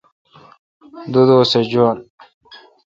دو دوس جواین۔